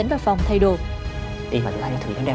chú thay cho thay thưởng tiêu